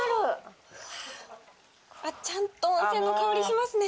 ちゃんと温泉の香りしますね。